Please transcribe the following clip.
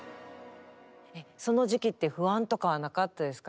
その時期って不安とかはなかったですか。